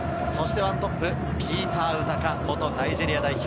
１トップはピーター・ウタカ、元ナイジェリア代表。